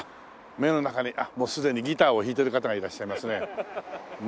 目の中にあっもうすでにギターを弾いてる方がいらっしゃいますね。